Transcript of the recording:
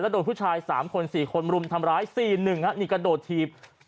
แล้วโดนผู้ชายสามคนสี่คนมรุมทำร้ายสี่หนึ่งฮะนี่กระโดดทีบ